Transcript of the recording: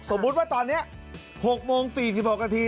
สมมุติว่าตอนนี้๖โมง๔๖นาที